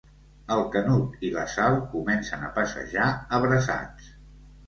El Canut i la Sal comencen a passejar abraçats.